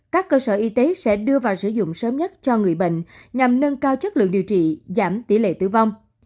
các cơ sở y tế sẽ đưa vào sử dụng sớm nhất cho người bệnh nhằm nâng cao chất lượng điều trị giảm tỷ lệ tử vong